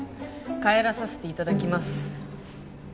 帰らさせていただきます